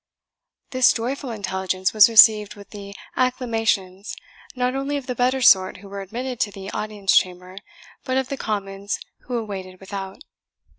This joyful intelligence was received with the acclamations not only of the better sort who were admitted to the audience chamber, but of the commons who awaited without.